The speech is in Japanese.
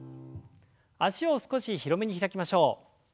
脚を少し広めに開きましょう。